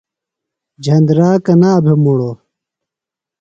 جھندرا کنا بھےۡ مُڑوۡ ؟